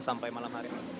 sampai malam hari